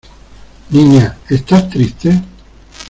¿ niña, estás triste?